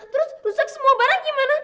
terus rusak semua barang gimana